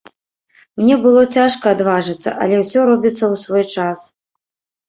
Мне было цяжка адважыцца, але ўсё робіцца ў свой час.